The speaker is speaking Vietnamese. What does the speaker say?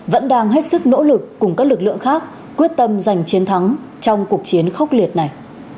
vẫn đang hết sức nỗ lực cùng các lực lượng khác quyết tâm giành chiến thắng trong cuộc chiến khốc liệt này